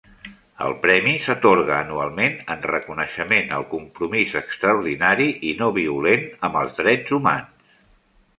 El premi s'atorga anualment en reconeixement al compromís extraordinari i no violent amb els drets humans.